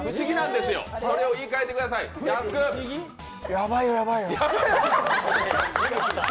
やばいよ、やばいよ。